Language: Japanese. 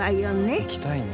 行きたいね。